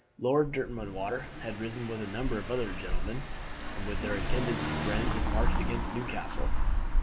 Lord Derwentwater had risen with a number of other gentlemen, and with their attendants and friends had marched against Newcastle.